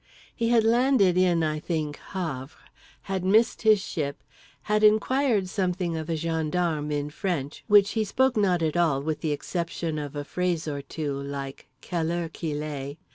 He had landed in, I think, Havre; had missed his ship; had inquired something of a gendarme in French (which he spoke not at all, with the exception of a phrase or two like "_quelle heure qu'il est?